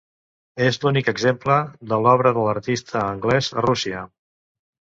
És l'únic exemple de l'obra de l'artista anglès a Rússia.